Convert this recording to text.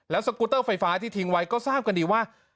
สกูเตอร์ไฟฟ้าที่ทิ้งไว้ก็ทราบกันดีว่า